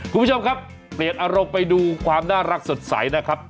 คุณผู้ชมครับเปลี่ยนอารมณ์ไปดูความน่ารักสดใสนะครับ